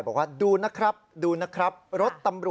ได้ด้วยหรือไปดูคลิปกัน